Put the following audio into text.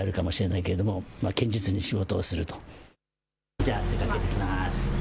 じゃあ出かけてきます。